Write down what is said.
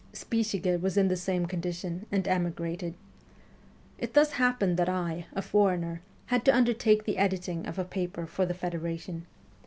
Spichiger was in the same condition, and emigrated. It thus happened that I, a foreigner, had to undertake the editing of a paper for the federation.